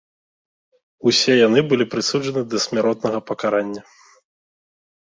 Усе яны былі прысуджаны да смяротнага пакарання.